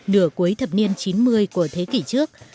nửa cuối thập niên chín mươi của thế kỷ trước